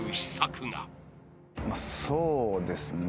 そうですね。